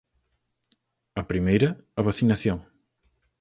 A primeira, a vacinación.